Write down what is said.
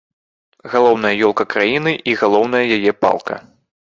Галоўная ёлка краіны і галоўная яе палка.